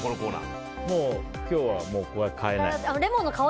じゃあ、今日は変えない。